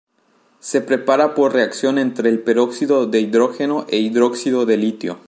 Se prepara por reacción entre el peróxido de hidrógeno e hidróxido de litio.